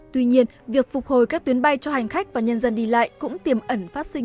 tuy nhiên việc phục hồi các tuyến bay cho hành khách và nhân dân đi lại cũng tiềm ẩn phát sinh